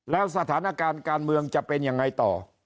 แล้วสถานการณ์การเมืองจะเป็นยังไงต่อ